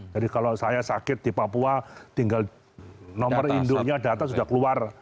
jadi kalau saya sakit di papua tinggal nomor indonya data sudah keluar